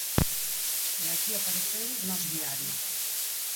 E aquí apareceu Nós Diario.